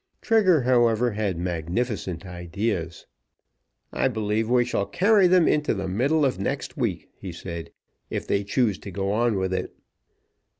Trigger, however, had magnificent ideas. "I believe we shall carry them into the middle of next week," he said, "if they choose to go on with it."